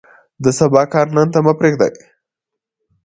د سبا کار نن ته مه پرېږدئ.